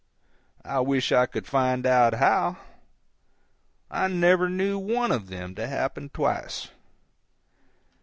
I wish I could find out how. I never knew one of them to happen twice.